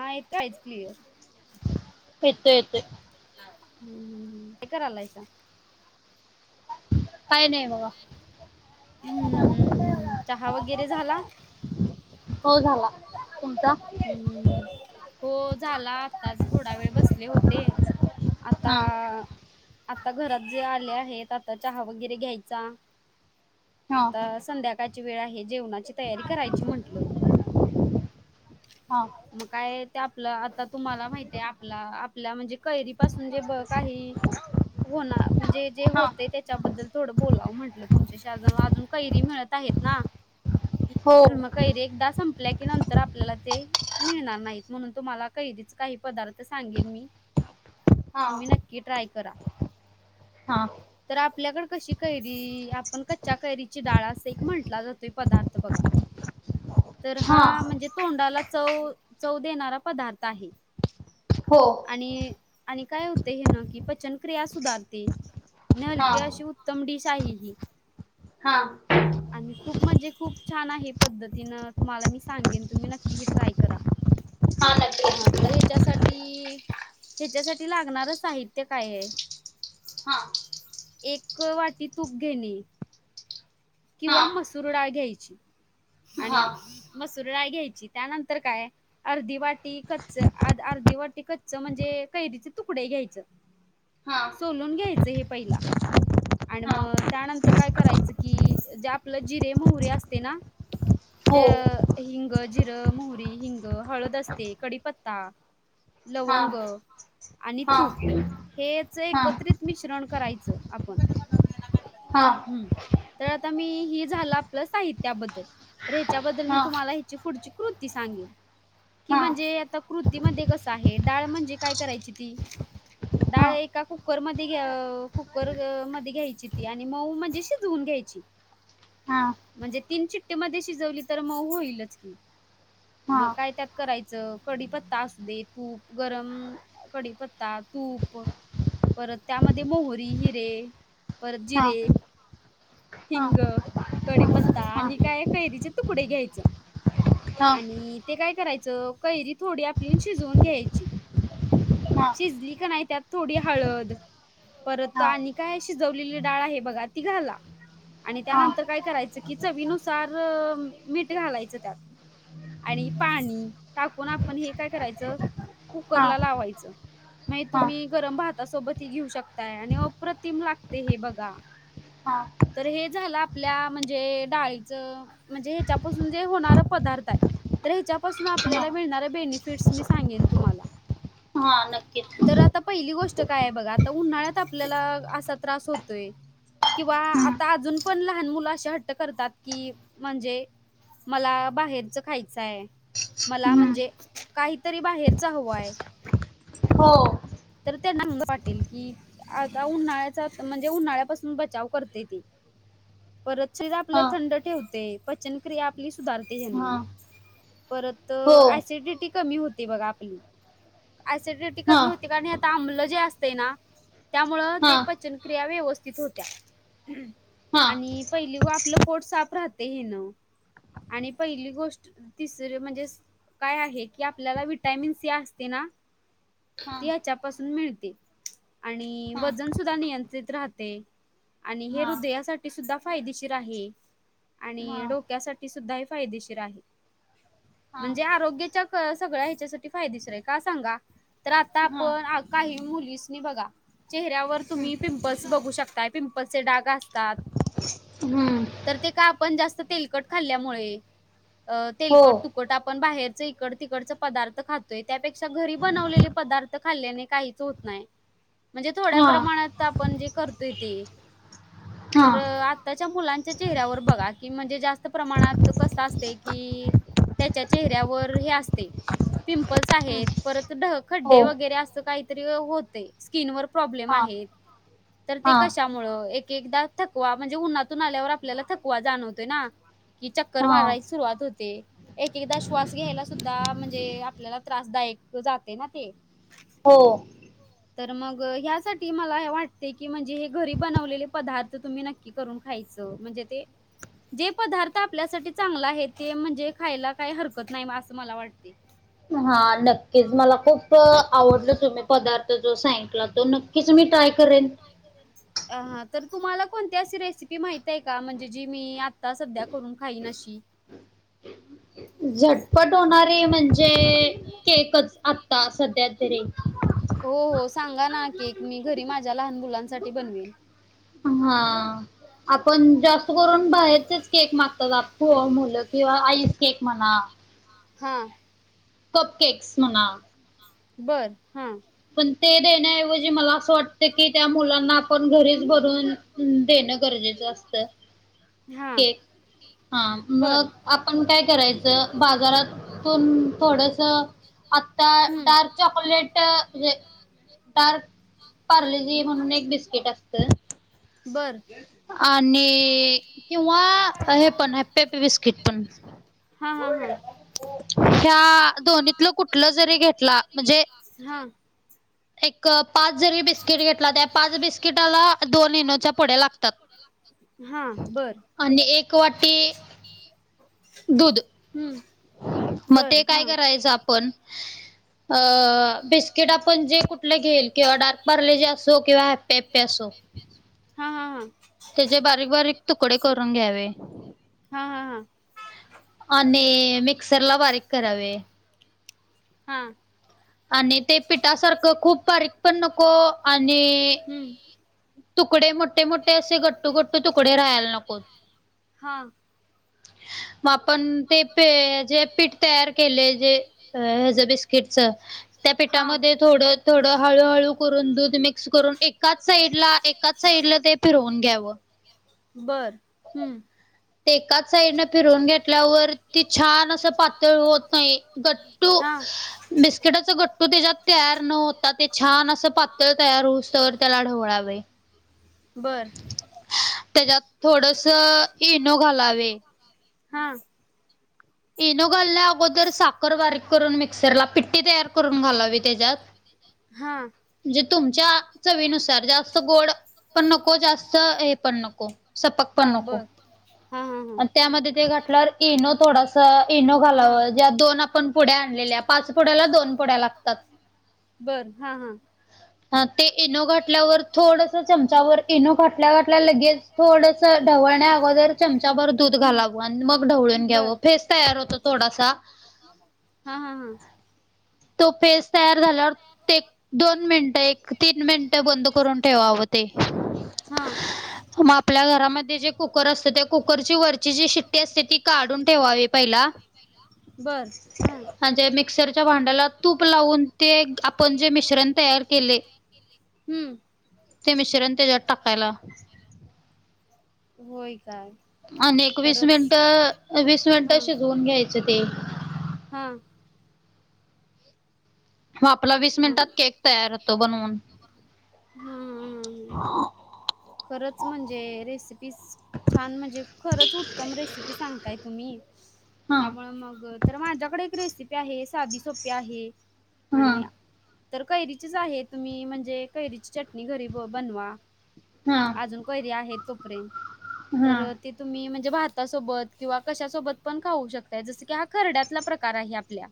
हाय कायच क्लिअर. हम्म हम् ह काय करालायसा हम्म हम्म हम्म चहा वगैरे झाला? [unintelligible] हम्मम्म हो झाला आताच थोडा वेळ बसले होते. आता आता घरात जे आले आहेत आता चहा वगैरे घ्यायचा. आता संध्याकाळची वेळ आहे जेवणाची तयारी करायची म्हंटल. मग काय? ते आपलं आता तुम्हाला माहितय आपला आपल्या म्हणजे कैरी पासून जे काही होना म्हणजे जे होते त्याच्याबद्दल थोडं बोलावं म्हटलं तुमच्याशी आजून कैरी मिळत आहेत ना म कैरी एकदा सं पल्या की नंतर आपल्याला ते मिळणार नाहीत म्हणून तुम्हाला कैच काही पदार्थ सांगेन मी. तुम्ही नक्की ट्राय करा. हा. तर आपल्याकडे कशी कैरी आपण कच्च्या कैरीची डाळ अस एक म्हंटला जातोय पदार्थ बघा. तर हा म्हणजे तोंडाला चव चव देणारा पदार्थ आहे. आणि आणि काय होत हे ना कि पचन क्रिया सुधारते. नलके अशी उत्तम डिश आहे ही. आणि खूप म्हणजे खूप छान आहे पद्धतीन तुम्हाला मी सांगेन तुम्ही नक्की हि ट्राय करा. हा तर ह्याच्यासाठी ह्याच्यासाठी लागणार साहित्य काय आहे. एक वाटी तूप घेणे किंवा मसूरडा घ्यायची आणि मसूर राय घ्यायची त्यानंतर काय अर्धी वाटी कच्च ती कच्च म्हणजे कैरीचे तुकडे घ्यायच सोलून घ्यायचं हे पहिला आणि मग त्यानंतर काय करायचं की जे आपलं जिरे मोहरे असते ना त्या हिंग जिरं मोहरी हिंग हळद असते कडीीपत्ता लवंग आणि तूप हेच एकत्रित मिश्रण करायचं आपण हम्म त्या मी ही झालं आपलं साहित्याबद्दल तर ह्याच्याबद्दल मी तुम्हाला ह्याची पुढची कृती सांगेन कि म्हणजे आता कृती मध्ये कस आहे डाळ म्हणजे काय करायची ती डाळ एका कुकर मध्ये कुकर मध्ये घ्यायची ती आणि मऊ म्हणजे शिजवून घ्यायची म्हणजे तीन चिट्टी मध्ये शिजवली तर मऊ होईलच की मग काय त्यात करायचं कडीीपत्ता असू दे तूप गरम कडीीपत्ता तूप परत त्यामध्ये मोहरी हिरे परत जिरे हिंग कडीपत्ता आणि काय कैरीचे तुकडे घ्यायच आणि ते काय करायचं कैरी थोडी आपली शिजवून घ्यायची शिजली का नाही त्यात थोडी हळद परत आणि काय शिजवलेली डाळ आहे बघा ती घाला आणि त्यानंतर काय करायचं की चवीनुसार मीठ घालायचं त्यात आणि पाणी टाकून आपण हे काय करायचं कुकरला लावायचं म्हग तुम्ही गरम भातासोबत ह घेऊ शकताय आणि अप्रतिम लागते हे बघा हा तर हे झालं आपल्या म्हणजे डाळीचं म्हणजे ह्याच्यापासून जे होणार पदार्थ आहे तर ह्याच्यापासून आपल्याला मिळणार बेनिफिट्स मी सांगेन तुम्हाला तर आता पहिली गोष्ट उन्हा आपल्या त होत आता अजून पण लहान मुलं असे हट्ट करतात कि म्हणजे मला बाहेरच खायचंय मला म्हणजे काहीतरी बाहेरच हवं आहे हो तर त्यांना कसं वाटेल कि आता उन्हाळ्याचा म्हणजे उन्हाळ्यापासून बचाव करते ते परतश आपलं थंड ठेवते पचनक्रिया आपली जाती है न परत ऍसिडिटी कमी होती बघा आपली ऍसिडिटी कमी होती कारण आता आंमलं जे असते ना त्यामुळं ते पचनक्रिया व्यवस्थित होत्या आणि पहिली व आपलं पोट साफ राहते हे ना आणि पहिली गोष्ट तिसरी म्हणजे काय आहे की आपल्याला विटॅमिन सी असते ना ती ह्याच्यापासून मिळते आणि वजन सुद्धा नियंत्रित राहतंय आणि हे हृदयासाठी सुद्धा फायदेशीर आहे आणि डोक्यासाठी सुद्धाही फायदेशीर आहे म्हणजे आरोग्याच्या सगळ्या ह्याच्यासाठी फायदेशीर आहे का सांगा तर आता आपण काही मुलीस बघा चेहऱ्यावर तुम्ही पिंपल्स बघू शकताय पिंपल् डाग असतात हम्म आपण जास्त तेलकट खाल्ल्यामुळे तेलकट तुकट आपण बाहेर इकडच तिकडच पदार्थ खातोय त्यापेक्षा घरी बनवलेले पदार्थ खाल्ल्याने काहीच होत नाही म्हणजे थोड्या प्रमाणात आपण जे करतोय ते तर आ मुलांच्या चेहऱ्यावर बघा की म्हणजे जास्त प्रमाणात कस असते की त्याच्या चेहऱ्यावर हे असते पिंपल्स आहेत परत खड्डे वगैरे अस काहीतरी होते स्किनवर प्रॉब्लेम आहेत तर ते कश्यामुळं एक एकदा थकवा म्हणजे उन्हातून आल्यावर आपल्याला थकवा जाणवतोय ना कि चक्कर मारायची सुरुवात होती ते एक एकदा श्वास घ्यायला सुद्धा म्हणजे आपल्याला त्रासदायक जाते ना ते तर मग ह्यासाठी मला वाटते की म्हणजे हे घरी बनवलेले पदार्थ तुम्ही नक्की करून खायच म्हणजे ते जे पदार्थ आपल्यासाठी चांगला आहे ते म्हणजे खायला काही हरकत नाही असं मला वाटते खू आवडल तुम्ही पदार्थ जो सांगितला तो नक्कीच मी ट्राय करेन अ तर तुम्हाला कोणती अशी रेसिपी माहित आहे का म्हणजे जी मी आता सध्या करून खाईन अशी पक्षी [unintelligible] त सध्या तरी हो हो सांगा नाकी एक मी घरी माझ्या लहान मुलांनसाठी बनवेन हा आपण जास्त करून बाहेरचेच केक मागतात आप मुलं किंवा आईस केक म्हणा हा कप केक्स म्हणा बर हा ते देण्याऐवजी मला असं वाटत की त्या मुलांना आपण घरीच भरून देण गरजे असत मग आपण काय करायचं बाजारातून थोडस आता डार्क चॉकोलेट म्हणजे डार्क पार्लेजी म्हणून एक बिस्किट असत बर आणि किंवा हे पण हॅप्पी हॅप्पी बिस्किट पण हा हा हा ह्या दो्नीतलं कुठलं जरी घेतला म्हणजेऽऽ हा एक पाच जरी बिस्किट घऽऽ हां त्या पाच बिस्किटाला दोन इनोच्या पुड्या लागतात.. हा बर क वा्टी,,, दूध मग ते काय करायचं आपण,, अ ऽऽबिस्किटऽ पण जे कुठलं घेईल किंवा डार्क पार्ले जे असो किंवा हॅप्पी हॅप्पी असो.. हा, हा, हां त्याचे बारीक, बारीक तुकडे करून घ्यावे. आणिऽऽ मिक्सर ला बारीक करावे. हां आणि ते पिठासारखं खूप बारीक पण नको आणिऽऽ तुकडे मोठे, मोठे असे, गट्टू, गट्टू तुकडे राहायला नको. मग आपण ते जे पीठ तयार केलेय,, जे हज बिस्किटच. त्या पिठामध्ये थोडं, थोडं हळूहळू करून दूध मिक्स करून. एकाच साईडला,, एकाच साईडला ते फिरवून घ्यावं. बर,, हम्म. ते एकाच साईडन फिरून घेतल्यावर ती छाऽऽन असं पातळ होत नाही. गट्टू,,, बिस्किटाचा गट्टू त्याच्यात तयार न होता ते छानऽऽ अस पातळ तयार होऊस तवर त्याला ढवळावे. त्याच्यात थोडस ऽऽइनो घालावे. हां ईनो घालण्या अगोदर साखर बारीक करून मिक्सरला पिट्टी तयार करून घालावी त्याच्यात.. हा जे,, तुमच्या चवीनुसार जास्त गोडऽऽ पण नको जास्त, हे पण नको, सपक पण नको. त्यामध्ये ते घातल्याव इनो थोडसं. इनो घालावं, ज्या दोन आपण पुड्या आणलेल्या,,, पाच पुड्याला दोन पुड्या लागतात. बर, हा, हा ह ते इनो घाटल्यावर थोडंऽऽ चमचावर इनो घातल्यावर लगेच थोडस ढवळण्या अगोदर चमऽऽ त्याच्यार दूध घालाव,, मग ढवळून घ्यावं,, फेस तयार होत थोडासाऽऽ हा, हा, हां तो पेस्ट तयार झाल्यावर, ते दोन मिनिटं, एक तीन मिनिटं बंद करून ठेवावं ते. [unintelligible] मग आपल्या घरामध्ये जे कुकर असत तेऽऽ कुकरची वरची जी शिट्टी असते ती काढून ठेवावी पहिलाऽऽ बरं त्या भांड्याला तूप लावून ते आपण जे मिश्रण तयार केलय हम्म ते मिश्रण त्याच्यात टाकायला. होय काय. आणि एक वीस मिनिटं, वीस मिनिट, शीजवून घ्यायचं ते हा हो आपला वीस मिनिटात केक तयार होतो बनवून्. हमम,, खरंच म्हणजे रेसिपीजऽऽ छान म्हणजे खरंच उत्तम रेसिपी सांगताय तुम्ही. त्यामुळे,, मग,, तर माझ्याकडे रेसिऽऽ सी आहे, साधी सोप्पी आहे, आणिऽऽ तर कैरीचीच आहे तुम्ही म्हणजे कैरीची चटणी घरी ब बनवा अजून कोैरी आहेत तोपरे तर ते तुम्ही म्हणज म्हणजे भातासोबत किंवा कशासोबत पण खाऊ शकता जसं की हा खरड्यातला प्रकार आहे आपल्या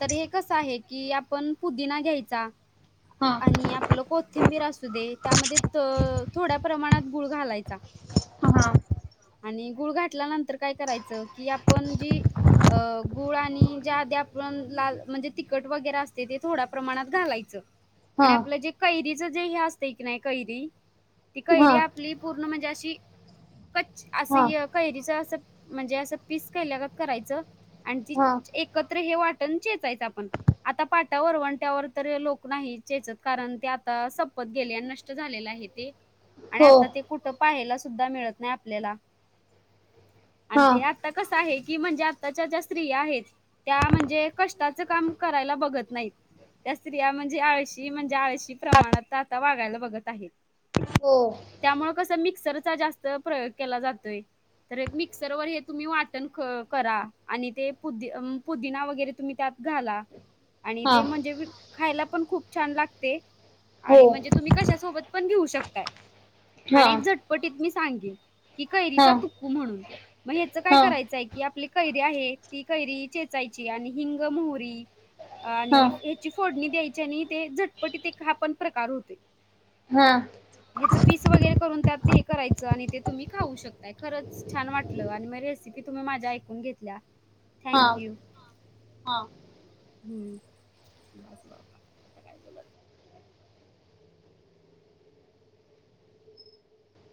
तर हे कसं आहे कि आपण पुुदीिना घ्यायचा आणि आपलं कोथिंबीर असू दे त्यामध्ये थोड्या प्रमाणात गुळ घालायचं आणि गुळ घातल्यानंतर काय करायचं कि आपण जी अ गुळ आणि ज्या आधी आपण लाल म्हणजे तिखट वगैरे असते ते थोड्या प्रमाणात घालायचं आणि आपलं जे कैरीच जे हे असत की नाही कैरी ती कैरी आपली पूर्ण म्हणजे अ क अस कैरीच अस म्हणजे असं पीस केल्या करायचं आणि ती एकत्र हे वाट चेचायच आपण आता पाटावर वणट्यावर तर लोक नाही चेचत कारण ते आता गे न झाले आहे ते आणि आता ते कुठ पाहा मित नाही आपल्या आ कस आहे कि म्हणजे आताच्या ज्या स्त्री आहेत त्या म्हणजे कष्टाचं काम करायला बघत नाहीत त्या स्त्रिया म्हणजे आळशी म्हणजे आळशी प्रमाणात [inaudible] चा जास्त प्रयोग केला जातोय तर मिक्सर वर हे तुम्ही वाटण करा आणि ते पुद पुदिना वगैरे तुम्ही त्यात ा आणि ते म्हणजे खायला पण खूप छान लागते आणि म्हणजे तुम्ही कशासोबत पण घेऊ शकताय आणि एक झटपटीत मी सांगेन की कैरीचा तुकू म्हणून मग ह्याच काय करायचंय की आपल्या कैरी आहे ती कैरी चेचायची आणि हिंग मोहरी आणि ह्याची फोडणी द्यायची आणि ते झटपटीत एक हा पण प्रकार होतोय ह्याच पीस वगैरे करून त्यात ते करायचं आणि ते तुम्ही खाऊ शकताय खरंच छान वाटलं आणि मग रेसिपी तुम्ही माझ्या ऐकून घेतल्या हा हा हम्म बस बाबा आता काय बोलत